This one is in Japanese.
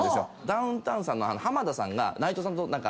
ダウンタウンさんの浜田さんが内藤さんと番組やっ